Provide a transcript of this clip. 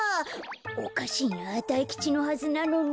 おかしいな大吉のはずなのに。